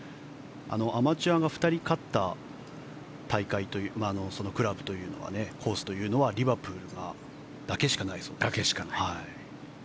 アマチュアが２人勝ったクラブ、コースというのはリバプールだけしかないそうです。